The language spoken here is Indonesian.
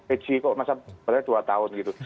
pg kok masa jabatannya dua tahun gitu